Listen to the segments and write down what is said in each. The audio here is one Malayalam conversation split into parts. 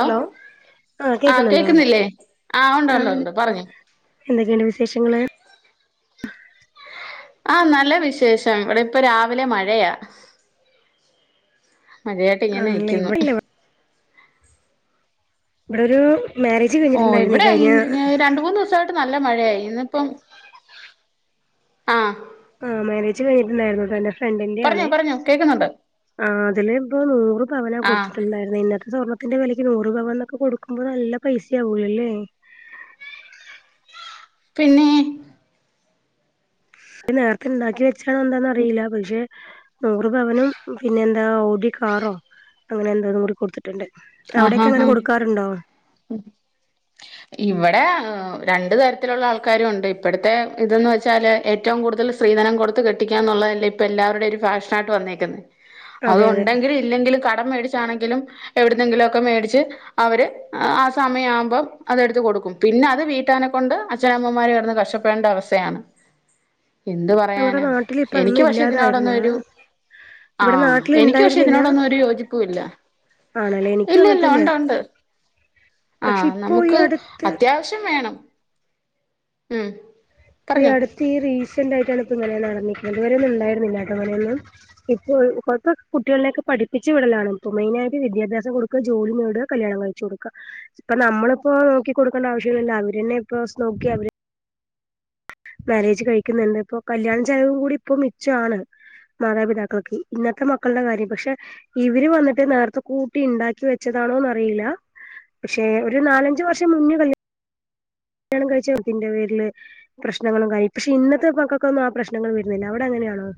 ഹലോ ആ കേക്കുന്നുണ്ടോ? ഉണ്ട് ആ ഉണ്ട് ഉണ്ട് പറഞ്ഞോ എന്തൊക്കെയിണ്ട് വിശേഷങ്ങള്? ആഹ നല്ല വിശേഷം ഇവിടെ ഇപ്പൊ രാവിലെ മഴയാ. മഴയായിട്ട് ഇങ്ങനെ ആണല്ലേ നിക്കുന്നു. ഇവിടെല്ല ഇവിടൊരു മാരേജ്. ഓ കഴിഞ്ഞിട്ടുണ്ടായിരുന്നേ ഇവിടെ കഴിഞ്ഞ രണ്ട് മൂന്ന് ദിവസായിട്ട്. ഇങ്ങട്ട് ഇപ്പൊ നല്ല മഴയാ ഇന്നിപ്പം ആഹ ആഹ് മാരേജ് കഴിഞ്ഞിട്ടുണ്ടായിരുന്നു ട്ടൊ എന്റെ. ഫ്രണ്ടിന്റെ ആണെ പറഞ്ഞോ പറഞ്ഞോ കേക്കുന്നുണ്ട് ആ അതില് ഇപ്പോ നൂറ് പവന ആ കൊടുത്തിട്ടുണ്ടായിരുന്നെ ഇന്ന്. സ്വർണത്തിന്റെ വിലക്ക് നൂറ് പവനൊക്കെ കൊടുക്കുമ്പോൾ നല്ല പൈസയാവുലല്ലേ? പിന്നെ. നേരത്തെ ഉണ്ടാക്കി വെച്ചാണോ എന്താന്നറിയില്ല പക്ഷെ. നൂറ്പവനും പിന്നെ എന്താ ഓടി കാറോ അങ്ങനെ എന്തോ കൂടി കൊടുത്തിട്ടുണ്ട്. അവിടെക്കെ ആഹഹാഹ അങ്ങനെ കൊടുക്കാറുണ്ടോ ഇവിടെ രണ്ട് തരത്തിലുള്ള ആൾക്കാരും ഉണ്ട് ഇപ്പോഴത്തെ ഇതന്ന് വെച്ചാല് ഏറ്റവും കൂടുതൽ. സ്ത്രീധനം കൊടുത്ത് കെട്ടിക്കുക എന്നുള്ളതല്ലേ ഇപ്പൊ എല്ലാവരുടെ ഒരു ഫാഷനായിട്ട് വന്നേക്കുന്നത്. അത് അതെ അതെ ഉണ്ടെങ്കിലും ഇല്ലെങ്കിലും കടം മേടിച്ചാണെങ്കിലും എവിടുന്നെങ്കിലും ഒക്കെ മേടിച്ച്. അവര് ആ സമയം ആവുമ്പം അതെടുത്ത് കൊടുക്കും പിന്നെ അത് വീട്ടാനെ കൊണ്ട് അച്ഛനമ്മമാര് കിടന്ന് കഷ്ട ണ്ട അവസ്ഥയാണ്. എന്ത് പറയാന ഞങ്ങളുടെ നാട്ടിൽ ഇപ്പ അതൊന്നും എനിക്ക് പക്ഷെ ഇല്ലാതായിരുന്ന ഇതിനോടൊന്ന് ഒരൂ. ഇവിടെ ആഹ് നാട്ടിൽ എനിക്ക് പക്ഷെ ഇണ്ടായിരുന്നില്ല ഇതിനോടൊന്നും ഒരു യോജിപ്പു ഇല്ല. ആണല്ലേ എനിക്കും ഇല്ല അങ്ങനെ ഇല്ല തന്നെയാ ഉണ്ട് ഉണ്ട്. ആ പക്ഷെ ഇപ്പോ ഈ നമുക്ക് അടുത്ത് അത്യാവശ്യം വേണം. ഉം ഇപ്പഈ പറഞ്ഞോ അടുത്ത് ഈ റീസന്റ് ആയിട്ടാണ് ഇപ്പ ഇങ്ങനെ നടന്നിരിക്കുന്നത് ഇത് വരെയൊന്നും ഉണ്ടായിരുന്നില്ല ഇങ്ങനെയൊന്നും. ഇപ്പൊ കൊഴപ്പ കുട്ടികളെയൊക്കെ പഠിപ്പിച്ച് വിടലാണ് മെയിനായിട്ട് വിദ്യാഭ്യാസം. ഒക്കെ ജോലി നേട കല്യാണം കഴിച്ച് കൊടുക്ക. ഇപ്പൊ നമ്മളിപ്പോ നോക്കി കൊടുക്കേണ്ട ആവശ്യല്ല അവരന്നെ ഇപ്പൊ നോക്കി അവര്. മാരേജ് കഴിക്കുന്നുണ്ട് ഇപ്പൊ കല്യാണ ചിലവും കൂടി ഇപ്പൊ മിച്ചമാണ്. മാതാപിതാക്കൾക്ക് ഇന്നത്തെ മക്കളുടെ കാര്യം പക്ഷെ. ഇവര് വന്നിട്ട് നേരത്തെ കൂട്ടി ഉണ്ടാക്കി വെച്ചതാണോന്ന് അറിയില്ല. പക്ഷെ ഒരു നാലഞ്ച് വർഷം മുന്നെ കഴിഞ്ഞു. കല്യാണം കഴിച്ചത്തിന്റെ പേരില്. പ്രശ്നങ്ങളും കായി പക്ഷെ ഇന്നത്തെ മകൾക്കൊന്നും ആ പ്രശ്നങ്ങൾ വരുന്നില്ല അവിടെ അങ്ങനെയാണോ?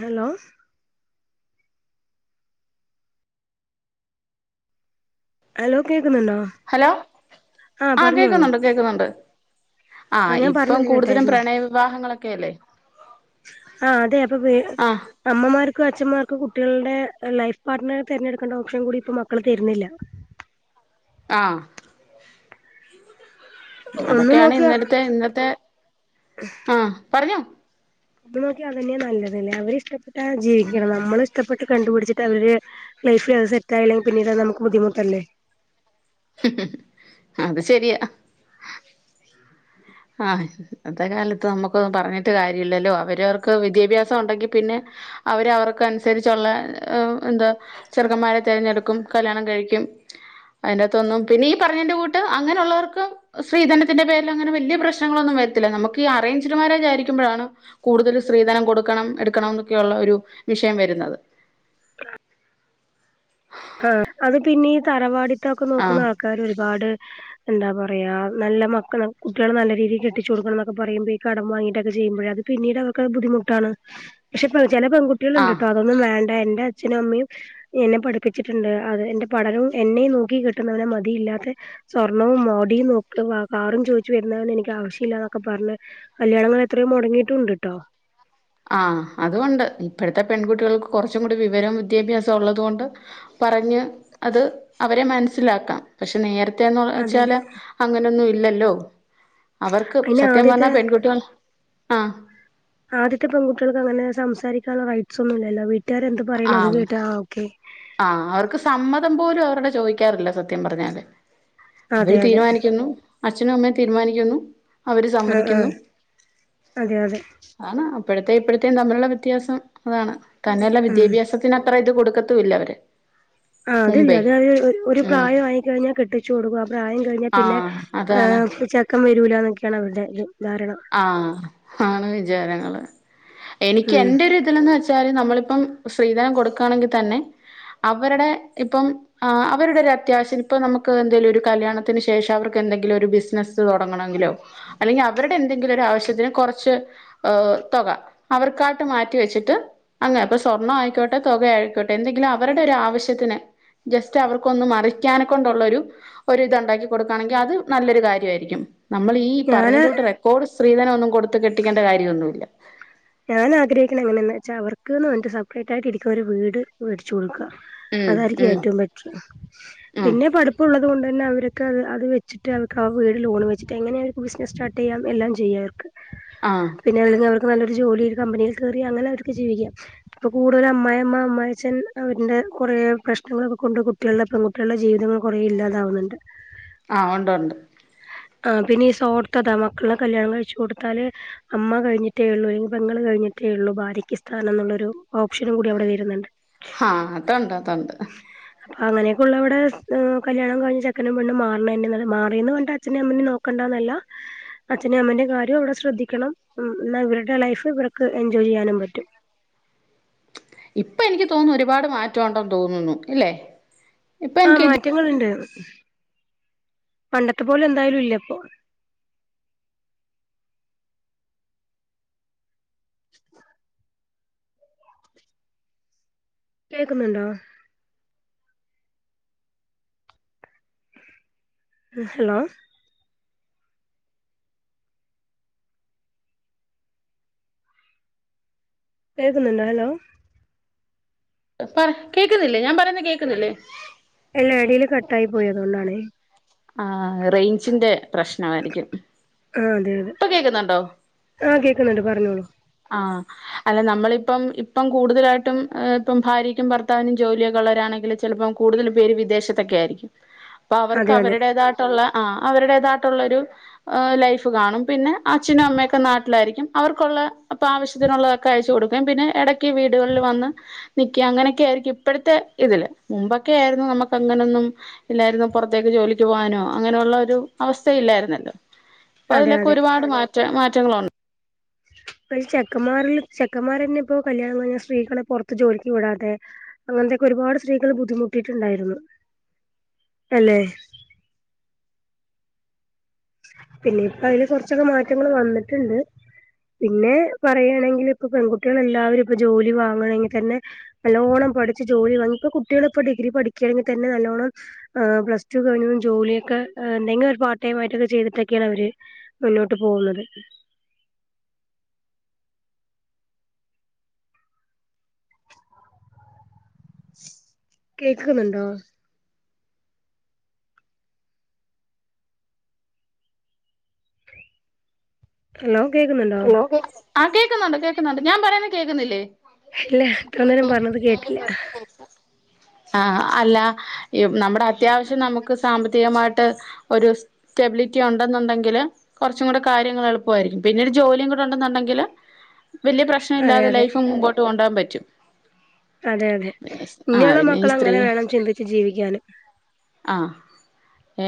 ഹലോ. അലോ കേക്കുന്നുണ്ടോ? ഹലോ ആഹ് ആ പറഞ്ഞോളൂ കേക്കുന്നുണ്ട് കേക്കുന്നുണ്ട്. ആഹ ആ ഞാൻ ഇപ്പം പറഞ്ഞത് കൂടുതലും കേട്ടായിരുന്നു പ്രണയ വിവാഹങ്ങളൊക്കെ യല്ലേ? ആഅതെ അപ്പൊ. വീ അമ്മമാർക്കും അച്ഛൻമാർക്കും കുട്ടികള്ടെ ലൈഫ് പാർട്ട്ണറേ തെരഞ്ഞെടുക്കേണ്ട ഓപ്ഷൻ കൂടി ഇപ്പ മക്കൾ തരുന്നില്ല. ആഹ് ഒന്ന് അതൊക്കെയാണ് നോക്കിയ ഇന്നടത്തെ ഇന്നത്തെ ആഹ് പറഞ്ഞോ? അത് നോക്കി അതന്നെ നല്ലതല്ലേ അവരി ഷ്ടപ്പെട്ടാ ജീവിക്കണം നമ്മള് ഇഷ്ടപ്പെട്ട് കണ്ടുപിടിച്ചിട്ടവര്. ലൈഫിലത് സെറ്റായില്ലെങ്കി പിന്നിട് അത് നമുക്ക് ബുദ്ധിമുട്ടല്ലേ? ഹ് ഹ് ഹും അത് ശരിയാ. ഹ് ആഹ് ഇന്നത്തെ കാലത്ത് നമുക്ക് ഒന്നു പറഞ്ഞിട്ട് കാര്യല്ലല്ലോ. അവരവർക്ക് വിദ്യാഭ്യാസം ഉണ്ടെങ്കി പിന്നെ. അവര് അവർക്കനുസരിച്ചുള്ളഎന്താ. ചെറുക്കമ്മാരെ തിരഞ്ഞെടുക്കും കല്യാണം കഴിക്കും അതിന്റകത്തൊന്നും പിന്നെഈ പറഞ്ഞതിന്റെ കൂട്ട് അങ്ങനെയുള്ളവർക്ക് സ്ത്രീധനത്തിന്റെ പേരിൽ അങ്ങനെ വലിയ പ്രശ്നങ്ങളൊന്നും വരത്തില്ല. നമുക്ക് ഈ അറേഞ്ചട് മാരെജായി രിക്കുമ്പ ഴാണ് കൂടുതൽ സ്ത്രീധനം കൊടുക്കണം എടുക്കണം ന്നൊക്കെയള്ള ഒരു വിഷയം വരുന്നത് ആ അത് പിന്നെ ഈ തറവാടിത്തൊക്കെ നോക്കുന്ന ആഹ് ആൾക്കാര് ഒരുപാട് എന്താ പറയാ നല്ല മക്കള കുട്ടികൾ നല്ല രീതിയി കെട്ടിച്ച കൊടുക്കണം ന്നൊക്കെ പറയ്പോ ഈ കടം വാങ്ങിട്ടൊക്കെ ചെയ്യുമ്പോഴ അത് പിന്നീടവർക്കത് ബുദ്ധിമുട്ടാണ്. പക്ഷെ പ ചേലെ പെൺ കു കുട്ട്യാള്ണ്ട് ആഹ് ട്ടോ അതൊന്നും വേണ്ട എന്റെ അച്ഛനും അമ്മീം എന്നെ പഠി പ്പിച്ചിട്ടുണ്ട്. അത് എന്റെ പടനവും എന്നെയും നോക്കി കിട്ടുന്നവെരെ മതി. യില്ലാത്ത സ്വർണ്ണവും മോടിയും നൊക്ക കാറും ചോയിച്ചു വരുന്നവനെ എനിക്ക് ആവശ്യമില്ലാന്നൊക്കെ പറഞ് കല്യാണങ്ങൾ എത്രയും മുടങ്ങീട്ടു ണ്ട്ട്ടോ ആഹ് അതുണ്ട്. ഇപ്പോഴത്തെ പെൺകുട്ടികൾക്ക് കുറച്ചും കൂടി വിവരവും വിദ്യാഭ്യാസവു ള്ളതുകൊണ്ട് പറഞ്ഞ് അത് അവരെ മനസിലാക്കാം പക്ഷെ നേരത്തെന്ന് അതെ അതെ വെച്ചാല് അങ്ങനൊന്നും ഇല്ലല്ലോ അവർക്ക് അയിന് സത്യം ആദ്യത്തെ പറഞ്ഞാ പെൺകുട്ടികൾ ആ ആദ്യത്തെ പെൺകുട്ടികൾക്ക് അങ്ങനെ സംസാരിക്കാനുള്ള റൈറ്റ്സ് ഒന്നും ഇല്ലല്ലോ. വീട്ടുകര് എന്ത് പറയ്ണോ അത് ആഹ് കേട്ടാ ആ ഓക്കേ ആഹ് അവർക്ക് സമ്മതം പോലും അവര്ടെ ചോദിക്കാറില്ല സത്യം പറഞ്ഞാല് അവര് അതെ അതെ തീരുമാനിക്കുന്നു അച്ഛനു അമ്മയും തീരുമാനിക്കുന്നു അവര് ആ ആ സമ്മതിക്കുന്നു അതെ അതെ ആണ് അപ്പഴത്തെ ഇപ്പഴതേം തമ്മിലുള്ള വ്യത്യാസം അതാണ് തന്നെയല്ല ഉം വിദ്യാഭ്യാസത്തിന് അത്ര ഇത് കൊടുക്ക ത്തൂല്ലവര് ആ അതില്ല അത് അത് ഒരു ഉം പ്രായ വായി ക്കഴിഞ്ഞാ കെട്ടിച്ചു കൊടുക്കും ആ പ്രായം ത് കഴിഞ്ഞാ പിന്നെ ആഹ് അതാണ് ഹ്ഏ ചെക്കൻ വരൂല ന്നൊക്കെണ് അവരുടെ ഒരു ധാരണ ആ ഹ് ഹാണ് വിചാരങ്ങള് ഉം എനിക്കെന്റെ രു ന്ന് വെച്ചാല് നമ്മളിപ്പം സ്ത്രീധനം കൊടുക്കുകയാണെങ്കിതന്നെ അവരുടെ ഇപ്പം ആ അവരുടെ ഒരു അത്യാവശ്യന് ഇപ്പൊ നമുക്ക് എന്തേലും ഒരു കല്യാണത്തിന് ശേഷം അവർക്ക് എന്തെങ്കിലു ഒരു ബിസിനസ്സ് തുടങ്ങണങ്കിലോ അല്ലെങ്കിൽ അവരുടെ എന്തെങ്കിലും ഒരു ആവശ്യത്തിന് കുറച്ച് ഓ തുക അവർക്കായിട്ട് മാറ്റി വെച്ച്ട്ട് അങ്ങനെ പ്പൊ സ്വർണ്ണായിക്കോട്ടെ തുക ആയിക്കോട്ടെ എന്തെങ്കിലും അവരുടെ ഒരു ആവശ്യത്തിന് ജസ്റ്റ് അവർക്കൊന്ന് മറിക്കാനെ കൊണ്ടുള്ളൊരു ഒരു ത് ണ്ടാക്കി കൊടുക്കുകയാണെങ്കി അത് നല്ലൊരു കാര്യവായിരിക്കും നമ്മൾ ഈ പറഞ്ഞിട്ടോട്ട് ഞാന് റെക്കോർഡ് സ്ത്രീധനം ഒന്നും കൊടുത്ത് കെട്ടിക്കേണ്ട കാര്യമൊന്നുഇല്ല ഞാൻ ആഗ്രഹിക്കണ എങ്ങനെ ന്ന് വച്ചാ അവർക്ക്ന്ന് സെപ്പറേറ്റ് ആയിട്ട്ഇരിക്കുന്ന ഒരു വീട് മേടിച്ചു കൊടുക്ക ഉം അതായിരിക്കും ഉം ഏറ്റവും ബെറ്റർ ഉം പിന്നെ പടു പ്പുള്ളത് കൊണ്ട്ന്നെ അവരൊക്ക അത് അത് വെച്ച് വിറ്റ അവർക്ക് ആ വീട് ലോൺ വെച്ചിട്ട് എങ്ങനെ അവർ ബിസസ് സ്റ്റാർട്ട് ചെയ്യാം എല്ലാം ചെയ്യാം അവർക്ക് ആഹ് പിന്നെ അല്ലെങ്കിൽ അവർക്ക് നല്ലരു ജോലി ഒരു കമ്പനിയിൽ കയറി അങ്ങനെ അവർക്ക് ജീവിക്കാം ഇപ്പൊ കൂടുതലും അമായി അമ്മ അമായി അച്ഛൻ അവരിന്റെ കുറെ പ്രശ്നങ്ങളൊക്കെ കൊണ്ട് കുട്ടികള പെൺകുട്ടികളുടെ ജീവിതങ്ങൾ കുറേ ഇല്ലാതാവുന്നുണ്ട് ആഹ് ഉണ്ട് ഉണ്ട് ആ പിന്നെ ഈ സോർത്തതാ മക്കളെ കല്യാണം കഴിച്ചു കൊടുത്താല് അമ്മ കഴിഞ്ഞിട്ടേള്ളൂ പെങ്ങൾ കഴിഞ്ഞിട്ടേ ഉള്ളൂ ഭാര്യക്ക്സ്ഥാനം എന്നുള്ളൊരു ഓപ്ഷനും കൂടി അവിടെ വരുന്നുണ്ട് ഹാ അതുണ്ട് അതുണ്ട് അങ്ങനൊക്കെയ ഉള്ളവിടെഹ കല്യാണം കഴിഞ്ഞ് ചക്കനും പെണ്ണും മാർ ണെ തന്ന മാറിയന്ന് പറഞ് അച്ഛെനെ അമ്മെ നെ നോക്ക ണ്ടന്നല്ല അച്ഛന അമ്മന്റെയും കാര്യവും അവിടെ ശ്രദ്ധിക്കണം എന്നാ ഇവരുടെ ലൈഫ് - ഇവർക്ക് എൻജോയ് ചെയ്യാനും പറ്റും ഇപ്പം എനിക്ക് തോന്നുന്നു ഒരുപാട് മാറ്റംണ്ടെന്ന് തോന്നുന്നു ഇല്ലേ ഇപ്പൊ ആഹ് എനിക്ക് മാറ്റങ്ങൾ ഉണ്ട് പണ്ടത്തെ പോല എന്തായാലും ഇല്ല ഇപ്പൊ കേക്കുന്നുണ്ടോ ഹലോ കേൾക്കുന്നുണ്ടോ ഹലോ പറ കേൾക്കുന്നില്ലേ ഞാൻ പറയുന്ന കേൾക്കുന്നില്ലേ എല്ല എടീൽ കട്ടായി പോയതോണ്ടാണ് ആ റേഞ്ചിന്റെ പ്രശ്നമായിരിക്കും ആഹ് അതെ അതെ ഇപ്പൊ കേക്ക്‌ന്നുണ്ടോ ആഹ് കേക്കുന്നുണ്ട് പറഞ്ഞോളൂ ആഹ് അല്ല നമ്മളിപ്പം ഇപ്പം കൂടുതലായിട്ടുംആ ഇപ്പം ഭാര്യയ്ക്ക ഭർത്താവിനും ജോലിയൊക്കെ ഉള്ളരാണെങ്കിൽ ചിലപ്പോം കൂടുതൽ പേര് വിദേശത്തൊക്കെ ആയിരിക്കും അപ്പ അവർക്ക് അതെ അതെ അവരുടേതായിട്ടുള്ള ആ അവരുടേതായിട്ടുള്ളരു ലൈഫ് കാണും പിന്നെ അച്ഛനും അമ്മയൊക്കെ നാട്ടിലായിരിക്കും അവർക്കുള്ള അപ്പൊ ആവശ്യത്തിനുള്ളതൊക്കെ അയച്ചു കൊടുകേം പിന്നെ ഇടക്ക് വീടുകളിൽ വന്ന് നി ക്യ അങ്ങനൊക്കെ ആയിരിക്കും ഇപ്പോഴത്തെ ഇതില് മുമ്പൊക്കെ ആയിരുന്നു നമുക്ക് അങ്ങനൊന്നും ഇല്ലായിരുന്നു പുറത്തേക്ക് ജോലിക്ക് പോകാനോ അങ്ങനെയുള്ള ഒരു അവസ്ഥ ഇല്ലായിരുന്നല്ലോ അതെ പ്പതിലൊക്കെ അതെ ഒരുപാട് മാറ്റ മാറ്റങ്ങളുണ്ട് പെ ചെക്കന്മാരിൽ ചെക്കന്മാർന്നെ ഇപ്പോ കല്യാണം കഴിഞ്ഞാ സ്ത്രീകളെ പുറത്ത് ജോലിക്ക് വിടാതെ അങ്ങനത്തെയൊക്കെ ഒരുപാട് സ്ത്രീകൾ ബുദ്ധിമുട്ടിട്ടുണ്ടായിരുന്നു അല്ലെ പിന്നെ ഇപ്പ അതില് കുറച്ചൊക്കെ മാറ്റങ്ങൾ വന്നിട്ടുണ്ട് പിന്നെ പറയാണെങ്കിൽ ഇപ്പ പെൺകുട്ട്യാള് എല്ലാവരും ഇപ്പൊ ജോലി വാങ്ങണങ്കിൽ തന്നെ നല്ലോണ്ണം പഠിച്ചു ജോലി വാങ്ങി ഇപ്പൊ കുട്ടികളിപ്പൾ ഡിഗ്രി പഠിക്കയാണെങ്കിൽ തന്നെ നല്ലോണ്ണം ആ പ്ലസ്ടു കഴിഞ്ഞു ജോലിയൊക്കെ എന്തങ്കില ഒരു പാർടൈമായൊക്കെ ചെയ്തിട്ടൊക്കെയാണ് അവര് മുന്നോട്ട് പോകുന്നത് കേക്ക്‌ന്നുണ്ടോ ഹലോ കേക്കുന്നു ഹലോ ആ കേക്കുന്നുണ്ട് കേക്കുന്നുണ്ട് ഞാൻ പറയുന്ന കേക്കുന്നില്ലേ ഇല്ല ഇത്രനേരം പറഞ്ഞത് കേട്ടില്ല ആഹ് അല്ല ഈ നമ്മുടെ അത്യാവശ്യം നമുക്ക് സാമ്പത്തികമായിട്ട് ഒരു സ്റ്റെബിലിറ്റി ഉണ്ടെന്നുണ്ടെങ്കില് കുറച്ചും കൂടി കാര്യങ്ങൾ എളുപ്പമായിരിക്കും പിന്നെരു ജോലിയും കൂടെ ഉണ്ടെന്നുണ്ടെങ്കില് വലിയ പ്രശ്നം അതെ ഇല്ലാതെ അതെ ലൈഫ് മുമ്പോട്ട് കൊണ്ടോകാൻ പറ്റും അതെ അതെ പിന്നെ ആഹ് ഇനിയുള്ള പിന്നെ ഈ മക്കള് സ്ത്രീ അങ്ങനെ വേണം ചിന്തിച്ച് ജീവിക്കാന് ആഹ്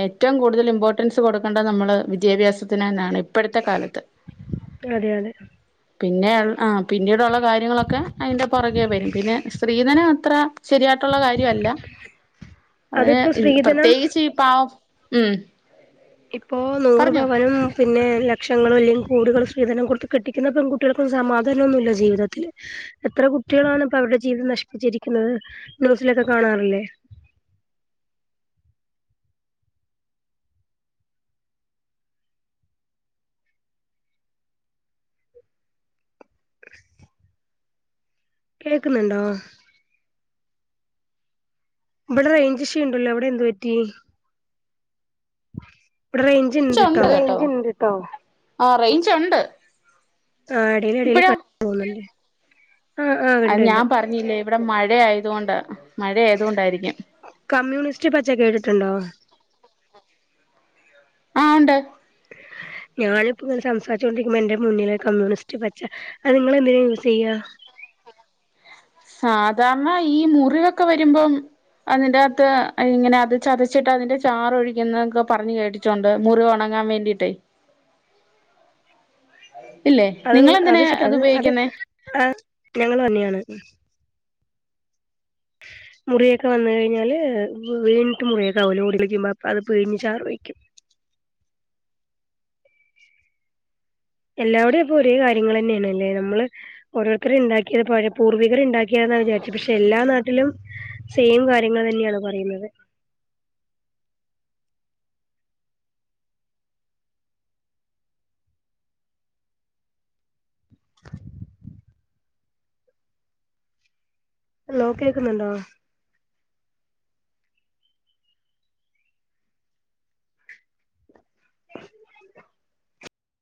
ഏറ്റവും കൂടുതൽ ഇമ്പോർട്ടൻസ് കൊടുക്കേണ്ടത് നമ്മൾ വിദ്യാഭ്യാസത്തിന് തന്നാണ് ഇപ്പഴത്തെ കാലത്ത് അതെ അതെ പിന്നെ ആഹ് പിന്നീടുള്ള കാര്യങ്ങളൊക്കെ അതിൻ്റെ പൊറകേ വരും പിന്നെ സ്ത്രീധനത്ര ശരിയായിട്ടുള്ള കാര്യവല്ല [unintelligible] അതിപ്പോ അതിന് സ്ത്രീധനം പ്രത്യേകിച്ച് ഈ പാവം ഉം ഇപ്പോ നൂറ് പറഞ്ഞോ പവനും പിന്നെ ലക്ഷങ്ങളോ അല്ലെ കോടികൾ സ്ത്രീധനം കൊടുത്ത് കെട്ടിക്കുന്ന പെൺകുട്ടികൾക്കും സമാധാനോന്നുല്ല ജീവിതത്തില് എത്ര കുട്ട്യാളാണ് ഇപ്പ അവരുടെ ജീവിതം നശിപ്പിച്ചിരിക്കുന്നത് ന്യൂസിലൊക്കെ കാണാറില്ലേ കേക്ക്‌ന്നുണ്ടോ ഇവിടെ റേഞ്ച് ഇഷ്യൂണ്ടല്ലോ അവിടെ എന്തുപറ്റി ബടെ റേൻജ് ഞ്ചുണ്ട് കേട്ടോ ആ റേഞ്ച് ഉണ്ട് ആഹ് എടെല് എടെല് ഇപ്പഴോ ക പോവുന്നുണ്ട് അത് ഞാൻ പറഞ്ഞില്ലേ ഇവിടെ മഴ ആയതുകൊണ്ട മഴ ആയതുകൊണ്ടായിരിക്കും. കമ്മ്യൂണിസ്റ്റ് പച്ച കേട്ടിട്ടുണ്ടോ? ആഹ് ഉണ്ട് ഞാനിപ്പ ഇങ്ങനെ സംസാരിചോണ്ടിരിക്കുമ്പോ എന്റെ മുന്നില കമ്മ്യൂണിസ്റ്റ് പച്ച അത് ഇങ്ങളെന്തിന യൂസെയ്യാ? സാധാരണ ഈ മുറിവൊക്കെ വരുമ്പം അതിന്റകത്തെ ഇങ്ങനെ അത് ചതച്ചിട്ട് അതിന്റെ ചാറ് ഒഴിക്കുന്നൊക്കെ പറഞ് കേട്ടി ട്ടുണ്ട് മുറിവ് ഒണങ്ങാ വേണ്ടിട്ടെ. [inaudible] ഇല്ലേ അത് നിങ്ങളെന്തിനാ അത് ശെ അതെ ഉപയോഗിക്കുന്നേ ആ ഞങ്ങളു തന്നെയാണ്. മുറിയൊക്കെ വന്ന് കഴിഞ്ഞാല് വീണിട്ട് മുറിയക്കാവൂലെ ഓടി കളിക്കുമ്പോ അപ്പൊ അത് പിഴിഞ് ചാറ് ഒയ്ക്കും. എല്ലാവടെ പ്പൊ ഒരേ കാര്യങ്ങളന്നെണ്ലെ നമ്മള് ഓരോര്ത്തര് ണ്ടാക്കിയത് പഴ പൂർവികര് ണ്ടാക്കിയാതാ വിചാരിച് പക്ഷെ എല്ലാ നാട്ടിലും സെയിം കാര്യങ്ങൾ തന്ന്യണ് പറയ്ന്നത്. ലോ കേക്കുന്ന്ണ്ടോ?